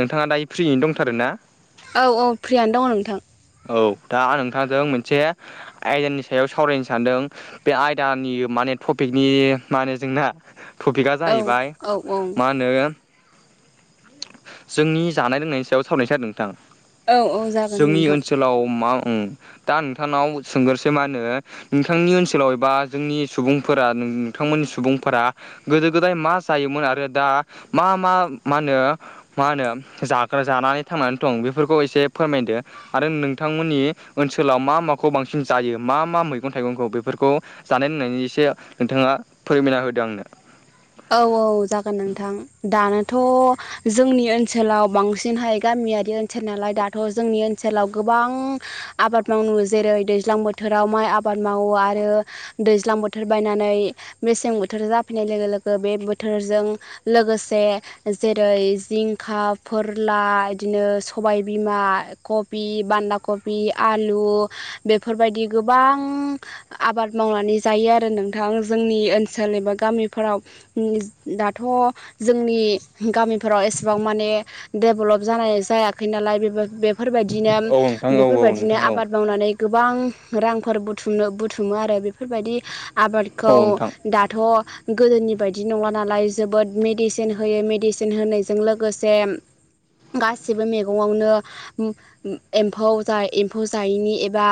नोंथाङा दायो फ्रियैनो दंथारो ना? औ औ फ्रियनो दङ नोंथां। औ दा आं नोंथांजों मोनसे आयदानि सायाव सावरायनो सानदों। बे आयदानि माने टपिकनि माने जोंना टपिकआ औ जाहैबाय औ औ मा होनो? जोंनि जानाय लोंनायनि सायाव सावरायस जादों नोंथां। औ औ जागोन जोंनि नोंथां। ओनसोलाव मा दा नोंथांनाव सोंगोरसै मा होनो नोंथांनि ओनसोलाव एबा जोंनि सुबुंफोरा नोंथांमोननि सुबुंफोरा गोदो गोदाय मा जायोमोन आरो दा मा मा मा होनो मा होनो जाग्रा जानानै थांनानै दं बेफोरखौ एसे फोरमायदो। आरो नोंथांमोननि ओनसोलाव मा माखौ बांसिन जायो मा मा मैगं थाइगंखौ बेफोरखौ जानाय लोंनायनि एसे नोंथाङा फोरमायना होदों आंनो औ औ जागोन नोंथां दानोथ' जोंनि ओनसोलाव बांसिनहाय गामियारि ओ नालाय दाथ' जोंनि ओनसोलाव गोबां आबाद मावनो जेरै दैज्लां बोथोराव बोथोराव माइ आबाद मावो आरो दैज्लां बोथोर बायनानै मेसें बोथोर जाफैनाय लोगो लोगो बे बोथोरजों लोगोसे जेरै जिंखा फोरला बिदिनो सबायबिमा कबि बान्दा कबि आलु बेफोरबायदि गोबां आबाद मावनानै जायो आरो नोंथां जोंनि ओनसोल एबा गामिफोराव दाथ' जोंनि गामिफोराव एसेबां माने देभेलप जानाय जायाखै नालाय बे बेफोरबायदिनो औ नोंथां बेफोरबायदिनो औ आबाद मावनानै गोबां रांफोर बुथुमनो बुथुमो आरो बेफोरबायदि औ आबादखौ नोंथां दाथ' गोदोनि बायदि नङा नालाय जोबोद मेडिसिन होयो मेडिसिन होनायजों लोगोसे। गासिबो मैगङावनो एम्फौ एम्फौ जायैनि एबा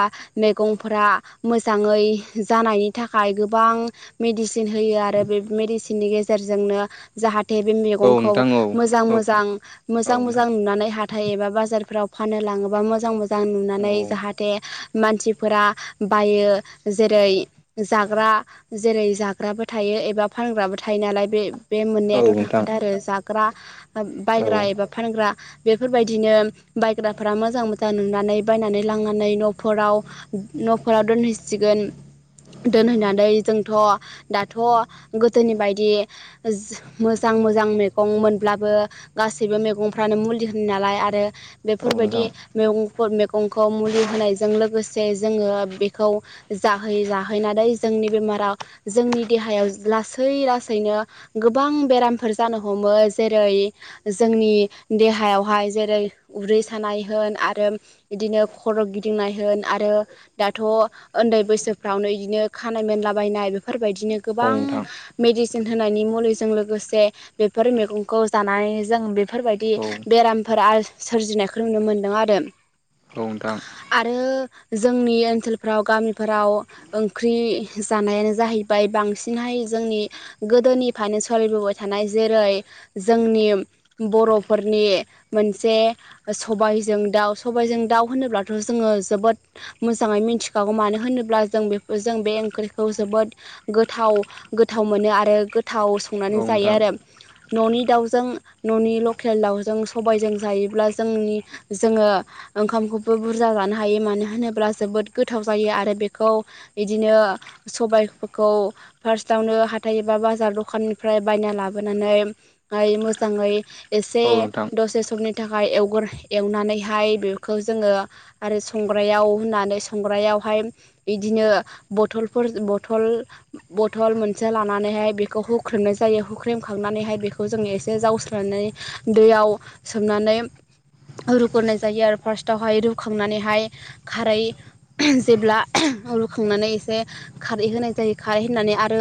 मैगंफोरा मोजाङै जानायनि थाखाय गोबां मेडिसिन होयो आरो बे मेडिसिननि गेजेरजोंनो जाहाथे बे औ नोंथां औ मैगंखौ नोंथां औ मोजां मोजां औ मोजां मोजां नोंथां नुनानै हाथाय एबा बाजारफोराव फानो लाङोबा मोजां मोजां औ नुनानै औ जाहाथे जाहाथे मानसिफोरा बायो जेरै जाग्रा जेरै जाग्राबो थायो एबा फानग्राबो थायो फ थायो नालाय बे बे मोननायाथ' औ नोंथां थाखादों आरो जाग्रा औ बायग्रा एबा फानग्रा बेफोरबायदिनो बायग्राफोरा मोजां मोजां नुनानै बायनानै लांनानै न'फोरराव न'फोराव दोनहैसिगोन दोनहैनानै जोंथ' दाथ' गोदोनि बायदि दि मोजां मोजां मे गं मोनब्लाबो गासैबो मैगंफ्रानो मुलि होनो नालाय आरो औ बेफोरबायदि नोंथां मैगंफोर मैगंखौ मुलि होनायजों लोगोसे जोङो बेखौ जाहै जाहैनानै जोंनि बेमाराव जोंनि देहायाव लासै लासै थैनो गोबां बेरामफोर जानो हमो जेरै जोंनि देहायावहाय जेरै उदै सानाय होन आरो बिदिनो खर' गिदिंनाय होन आरो दाथ' उन्दै बैसोफ्रावनो इदिनो खानाय मोनलाबायनाय बे फोरबायायदिनो औ गोबां मेदि न होनायनि मुलिजों लोगोसे बेफोर मैगंखौ जानानै जों बेफोरबायदि बेरामफोर सोरजिनायखौ नुनो मोनदों आरो रंदां [unintelligible] आरो जोंनि ओनसोलफ्राव गामिफोराव ओंख्रि जानायानो जाहैबाय बांसिनहाय जोंनि गोदोनिफ्रायनो सोलिबोबाय थानाय जेरै जोंनि बर'फोरनि मोनसे सबायजों दाउ सबायजों दाउ होनोब्लाथ' जोङो जोबोद मोजाङै मिथिखागौ मानो होनोब्ला जों बे जों बे ओंख्रिखौ जोबोद गोथाव गोथाव मोनो आरो गोथाव औ संनानै जायो नोंथां आरो। न'नि दाउजों न'नि लकेल दाउजों सबायजों जायोब्ला जोंनि जोङो ओंखामखौबो बुरजा जानो हायो मानो होनोब्ला जोबोद गोथाव जायो आरो बेखौ बिदिनो सबायफोरखौ फार्स्टावनो हा हथायबा बाजार दखाननिफ्राय बायना लाबोनानै मोजाङै एसे औ नोंथां दसे समनि थाखाय एवगोर एवनानैहाय बेखौ जोङो आरो संग्रायाव होननानै संग्रायावहाय इदिनो बथलफोरल बथल मोनसे एसे लानानैहाय बेखौ हुख्रेमनाय जायो हुख्रेमखांनानैहाय बेखौ जोङो एसे जावस्रनानै दैयाव सोमनानै रुग्रनाय जायो आरो फार्स्टावहाय रुखांनानैहाय खारै जेब्ला रुखांनानै एसे खारै होनाय जायो खारै होनानै आरो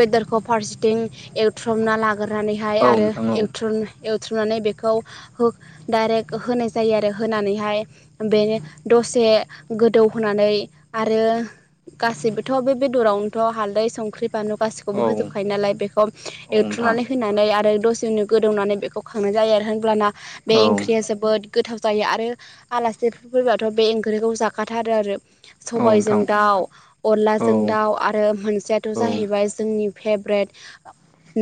बेदरखौ फारसेथिं एवथ्रमना लाग्रानैहाय औ आरो नोंथां एवथ्रम एवथ्रुमनानै बेखौ डाइरेक्ट होनाय जायो आरो होनानैहाय बेनो दसे गोदौ होनोनानै आरो गासिबोथ' बे बेदरावनोथ' हालदै संख्रि बानु गाससिबो बे औ खौबो होजोबखायो नालाय बेखौ नोंथां एवथ्रुमनानै होनानै आरो दसे उनो गोदौनानै बेखौ खांनाय जायो आरो होनब्लाना औ बे ओंख्रिया जोबोद गोथाव जायो आरो आलासिफोर फैबाथ' बे ओंख्रिखौ जाखाथारो आरो। औ नोंथां सबायजों दाउ औ नोंथां औ अनलाजों दाउ आरो मोनसेयाथ' औ जाहैबाय जोंनि फेभरेट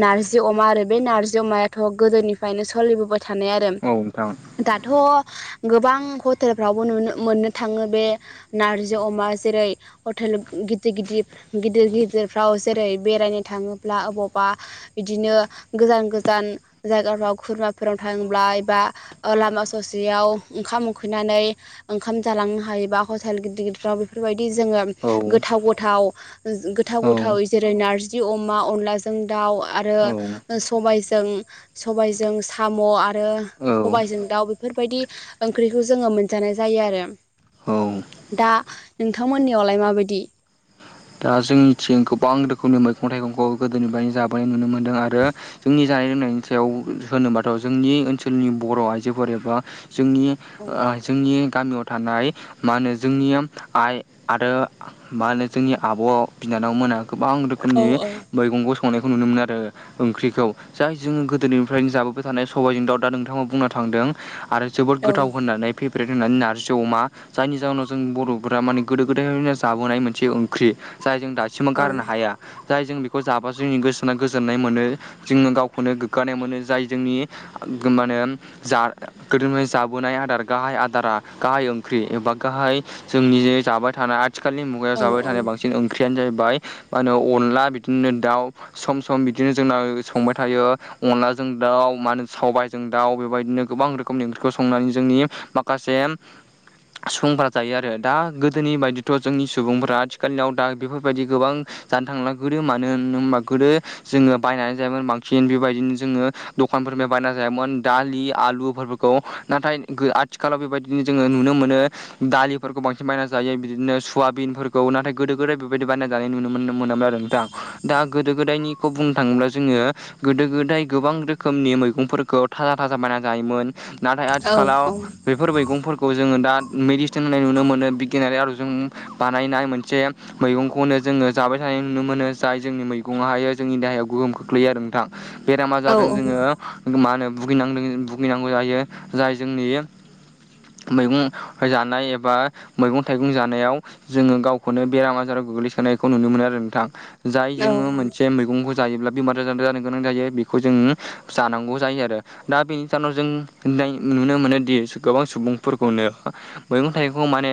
नार्जि अमा आरो बे नारजि अमायाथ' गोदोनिफ्रायनो सोलिबोबाय थानाय आरो। औ नोंथां दाथ' गोबां हटेलफ्रावबो नुनो मोननो थाङो बे नारजि अमा जेरै हटेल गिदिर गिदिर गिदिर गिदिरफ्राव जेरै बेरायनो थाङोब्ला अबावबा बिदिनो गोजान गोजान जायगाफ्राव खुरमाफोराव थाङोब्ला एबा लामा ससेयाव ओंखाम उखैनानै ओंखाम जालांनो हायोबा हटेल गिदिर गिदिरफ्राव बेफोरबायदि जोङो औ गोथाव गोथाव गोथाव गोथाव जे जेरै नारजि अमा अनलाजों दाउ आरो सबायजों सबायजों साम' आरो औ सबाइजों दाउ बेफोरबायदि ओंख्रिखौ जोङो मोनजानाय जायो आरो। औ दा नोंथांमोननियावलाय माबायदि? दा जोंनिथिं गोबां रोखोमनि मैगं थाइगंखौ गोदोनिफ्रायनो जाबोनाय नुनो मोन्दों आरो जोंनि जानाय लोंनायनि सायाव होनोबाथ' जोंनि ओनसोलनि बर' आइजोफोर एबा जोंनि औ ओ जोंनि गामियाव थानाय मा होनो जोंनि आइ आरो मा होनो? जोंनि आब' बिनानावमोनहा गोबां औ रोखोमनि मैगंखौ संनायखौ नुनो मोनो आरो। ओंख्रिखौ जाय जोङो गोदोनिफ्रायनो जाबोबाय थानाय सबायाइजों दाउ दा नोंथाङा बुंनो थांदों आरो जोबोद औ गोथाव होननानै फेभरेट होननानै नारजि अमा जायनि जाहोनाव जों बर'फोरा माने गोदो गोदायनिनो जाबोनाय मोनसे फुख्रि जाय जों दासिमाव औ गारनो हाया जाय जों बेखौ जाब्ला जो जोंनि गोसोना गोजोननाय मोनो जोङो गावखौनो गोग्गानाय मोनो जाय जोंनि माने जा गोदोनिफ्राय जाबोनाय आदार गाहाय आदारा गाहाय ओंख्रि एबा गाहाय जोंनि जे जाबाय थानाय आथिखालनि मुगायाव औ जाबाय थानाय बि ओंख्रियानो जाहैबाय मा होनो अनला बिदिनो दाउ सम सम बिदिनो जोंना संबाय थायो। अनलाजों दाउ मा होनो सबायजों दाउ बेबायदिनो गोबां रोखोमनि ओंख्रिखौ संनानै जोंनि माखासे सुबुंफोरा जायो आरो दा गोदोनि बायदिथ' जोंनि सुबुंफ्रा आथिखाललिनियाव दा बेफोरबायदि गोबां जानो थांला गोदो मानो होन हबा गोदो जोङो बायनानै जायोमोन बांसिन बेबायदिनो जोङो दखानफोरनि बायना जायामोन दालि आलुफोरखौ नाथाय आथिखालाव बेबायदि बिदिनो जोङो नुनो मोनो दालिफोरखौ बांसिन बायना जायो बिदिनो सवाबिनफोरखौ नाथाय गोदो गोदाय बेबायदि बानाय जानाय नुनो मोन मोनाम्ला आरो नोंथां दा गोदो गोदायनिखौ बुंनो थाङोब्ला जोङो गोदो गोदाय गोबां रोखोमनि मैगंफोरखौ थाजा थाजा बायना जायोमोन नाथाय औ आथिखालाव बे बेफोर मैगंफोरखौ जोङो दा मेडिसिन होननाय नुनो मोनो बिगियानारि आरजजों बानायनाय मोनसे मैगंखौनो जोङो जाबाय थानाय नुनो मोनो जाय जोंनि मैगङ हायो जोंनि देहायाव गोहोम खोख्लैयो आरो नोंथां। बेराम औ आजारजों औ नंगौ जोङो मा होनो भुगिनांदों भुगिनांगौ जायो जाय जोंनि मैगं जानाय एबा मैगं थाइगं जानायाव जोङो गावखौनो बेराम आजाराव गोग्लैसोनायखौ नुनो मोनो आरो नोंथां जाय जोङो मोनसे मैगंखौ जायोब्ला बेमार जानानै जानो गोनां जायो बेखौ जों जानांगौ जायो आरो दा बेनि जनाव जोंनाय नुनो मोनोदि गोबां सुबुंफोरखौनो मैगं थाइगं माने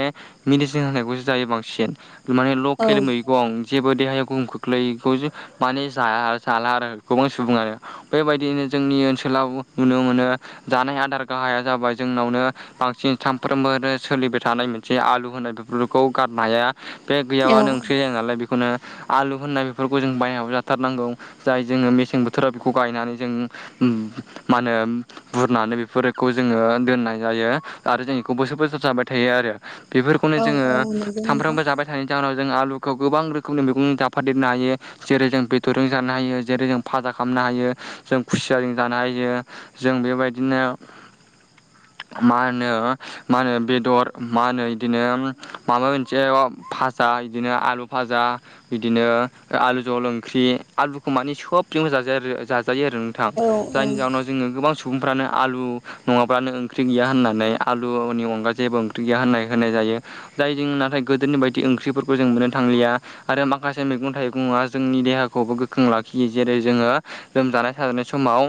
मेडिसिन होनायखौसो जायो बांसिन माने नोंथां लकेल मैगं गं जेबो देहाया गोहोम खोख्लैग माने जाया जाला आरो गोबां सुबुङानो। बेबायदिनो जोंनि ओनसोलाव नुनो मोनो जानाय आदार गाहाया जाबाय जोंनावनो बांसिन सानफ्रोमबोनो सोलिबाय थानाय मोनसे आलु होनाय बेफोरखौ गारनो हाया। बे गैयाबानो औ ओंख्रि औ जाया नालाय बेखौनो आलु होननाय बेफोरखौ जों बायनानैबाबो जाथारनांगौ। जाय जोङो मेसें बोथोराव बेखौ गायनानै जों मा होनो बुरनानै बेफोरखौ जोङो दोननाय जायो आरो जों बेखौ बोसोर बोसोर जाबाय थायो आरो। औ बेफोरखौनो जोङो सामफ्रोमबो औ नंगौ नोंथां जाबाय नि जाहोनाव जों आलुखौ गोबां रोखोमनि मैगं जाफादेरनो हायो। जेरै जों बेदरजों जानो हायो जेरै जों फाजा खालामनो हायो जों खुसियाजों जानो हायो। जों बेबायदिनो मा होनो मा होनो बेदर मा होनो बिदिनो माबा मोनसे भाजा बिदिनो आलु भाजा बिदिनो आलु जहल ओंख्रि आलुखौ मानि सबजोंनो जा जाजायो आरो नोंथां औ जायनि औ नंगौ औ जाहोनाव जोङो गोबां सुबुंफ्रानो आलु नङाब्लानो ओंख्रि गैया होननानै आलुनि अनगा जेबो ओंख्रि गैया होननानै होनाय जायो। जायजों नाथाय गोदोनि बायदि ओंख्रिफोरखौ जों मोननो थांलिया। आरो माखासे मैगं थाइगंया जोंनि देहाखौबो गोख्रों लाखियो जेरै जोङो लोमजानाय साजानाय समाव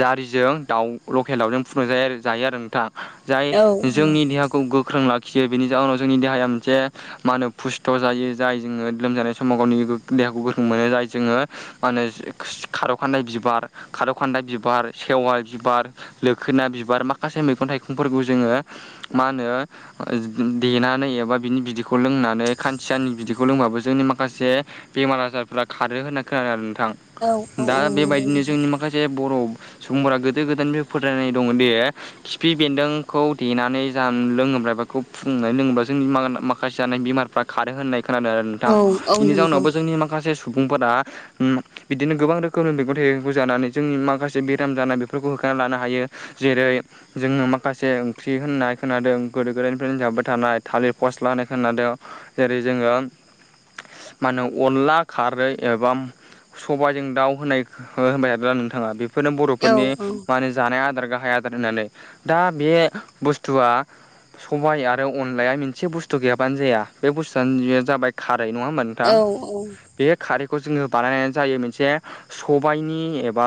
जारिजों दाउ लकेल दाउजों फुदुं जायो जायो आरो नोंथां। जाय जोंनि देहाखौ गोख्रों लाखियो बेनि जाउोनाव जोंनि देहाया मोनसे मा होनो फुस्थ' जायो जाय जोङो लोमजानाय समाव गावनि देहाखौ गोख्रों मोनो जाय जोङो मा होनो खार'खानदाय बिबार खार'खानदाय बिबार, सेवालि बिबार लोखोना बिबार माखासे मैगं -थाइगंफोरखौ जोङो मा होनो देनानै एबा बिनि बिदैखौ लोंनानै माने खानसियााननि बिदैखौ लोंबाबो जोंनि माखासे बेमार आजारफ्रा खारो होनना खोनादों आरो नोंथां। दा बेबायदिनो जोंनि माखासे जे बर' सुबुंफोरा गोदो गोदायनिफ्राय फोथायनाय दङ दि खिफि बेनदोखौ देनानै ज लोंङोब्रा बेखौ फुंनो लोंङा जोंनि माखासे जानाय बेमा खारो होननाय खोनादों आरो नोंथां। बेनि जाउनावबो जोंनि माखासे सुबुंफोरा ओम बिदिनो गोबां रोखोमनि मैगं थाइगं जानानै जोंनि माखासे बेराम जानाय बेफोरखौ होखाना लानो हायो। जेरै जोङो माखासे ओंख्रि होननाय खोनादों गोदो गोदायनिफ्रायनो जाबोबाय थानाय थालिर फस्ला होननाय खोनादों। जेरै जोङो मा होनो अनला खारै एबा सबायजों दाउ होनाय होनबाय थादों दा नोंथाङा बे बेफोरनो औ बर'फोरनि मा औ होनो जानाय आदार गाहाया होननानै दा बे बुसथुआ सबाय आरो अनलाया मोनसे बुसथु गैयाबानो जाया बे बुसथुआनो बे जाबाय खारै नङा होमबानो औ औ बे खारैखौ जोङो बानायनानै जायो मोनसे सबायनि एबा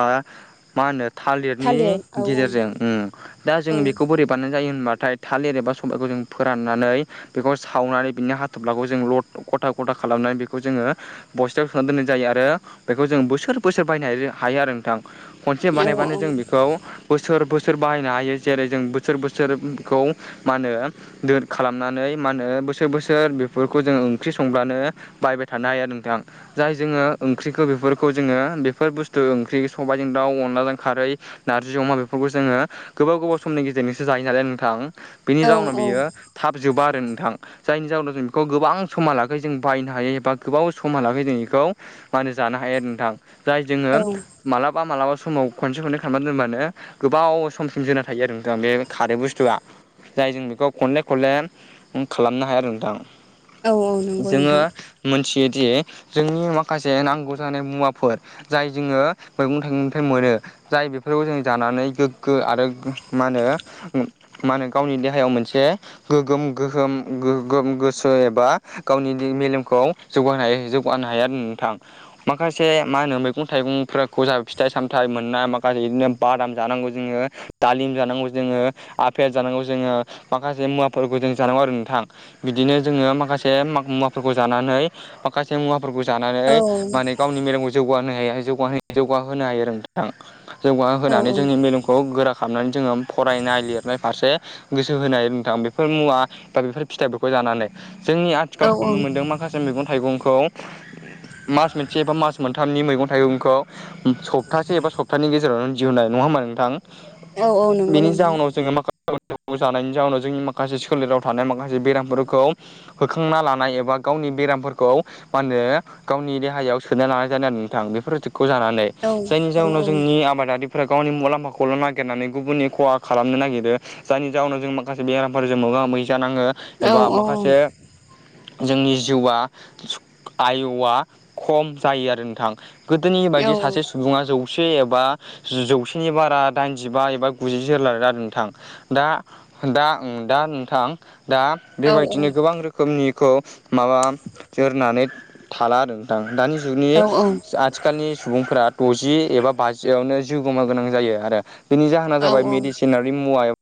मा होनो? थालिरनि थालिर औ गेजेरजों ओम दा जों औ बेखौ बोरै बानायनाय जायो होनबाथाय थालिर एबा सबायखौ जों फोराननानै बेखौ सावनानै बिनि हाथफ्लाखौ जों ल' ख'था ख'था खालामनानै बेखौ जोङो बसथायाव सोनानै दोननाय जायो आरो बेखौ जों बोसोर बोसोर बायनो हायो आरो नोंथां। खनसे औ औ बानायबानो जों औ बेखौ बोसोर बोसोर बाहायनो हायो जेरै जों बोसोर बोसोरखौ मा होनो? दोर खालामनानै मा होनो बोसोर बोसोर सोर बेफोरखौ जों ओंख्रि संब्लानो बाहायबाय थानो हायो आरो नोंथां। जाय जोङो ओंख्रिखौ बेफोरखौ जोङो बेफोर बुसथु ओंख्रि सबायजों दाउ अनलाजों खारै नारजि अमा बेफोरखौ जोङो गोबाव गोबाव समनि गेजेरजोंसो जायो नालाय नोंथां। बेनि जाउनाव बियो थाब जोबा आरो नोंथां। जायनि जाहोनाव जों बेखौ गोबां समहालागै जों बायनो हायो एबा गोबाव समहा लागै जों बेखौ मा होनो जानो हायो आरो नोंथां जाय जोङो मालाबा मालाबा समाव खनसे खननै खालामना दोनबानो गोबाव समसिम जोना थायो आरो नोंथाङा बे खारै बुसथुया ‌‌ जाय जों बेखौ खनले खनले खालामनो हाया आरो नोंथां औ औ नंगौ जोङो नोंथां मोनथियोदि जोंनि माखासे नांगौ जानाय मुवाफोर जाय जोङो मैगं थाइगंनिफ्राय मोनो जाय बेफोरखौ जों जानानै गो आरो मा होनो मा होनो गावनि देहायाव मोनसे गोगोम गोहोम गोसो एबा गावनि मेलेमखौ जौगा जौगानो हायो आरो नोंथां। माखासे मा होनो मैगं थाइगंफोरखौ जाह फिथाइ सामथाइ मोननाय माखासे बिदिनो बादाम जानांगौ जोङो। दालिम जानांगौ जोङो आफेल जानांगौ जोङो माखासे मुवाफोरखौ जों जानांगौ आरो थां बिदिनो जोङो माखासे मुवाफोरखौ जानानै माखासे मुवाफोरखौ औ जानानै माने गावनि मेलेमखौ ह जौगो हायो आरोों बिथां औ जौगाहोनानै जोंनि मेलेमखौ गोरा खालामनानै जोङो फरायनाय लिरनाय फारसे गोसो होनाय रोंथां बेफोर मुवा बा बेफोर फिथाइफोरखौ जानानै जोंनि औ आथिखालाव नुनो मोनदों माखासे मैगं थाइगंखौ मास मोनसे एबा मास मोनथामनि मैगं थाइगंखौ सप्तासे एबा सप्तानि गेजेरावनो जिउ होननाय नङा होमबा नोंथां? औ औ नंगौ बेनि नोंथां जााहनाव जोङो माखासे जानायनि जााहनाव जोंनि माखासे सोलेराव थानाय माखासे बेरामफोरखौ होखांना लानाय एबा गावनि बेरामफोरखौ मा होनो गावनि देहायाव सोना लानाय ज जादों नोंथां बेफोर थगखौ जानानै औ जायनि जाहनाव जोंनि आबादारि फोर गावनि मुलाम्फाखौल' नागिरनानै गुबुननि खहा खालामनो नागिरो जायनि जााहउोनाव जों माखासे बेरामफोरजों मोगा मोगि जानाङो औ एबा माखासे जोंनि जिउआ आयुआ खम जायो आरो नोंथां गोदोनि औ बायदि सासे सुबुङा जौसे एबा जौसेनि बारा दाइनजिबा एबा गुजिसे रला जादों नोंथां। दा दा दा नोंथां दा बेबायदिनो औ गोबां रोखोम रोखोमनिखौ माबा जोरनानै थाला आरो। दानि जुगनि औ आथिख आथिखालनि सुबुंफोरा द'जि एबा बाजियावनो जिउ गोम गोनां जायो आरो बेनि जाहोना जाबाय औ औ मेडिसिनारि मुवायाव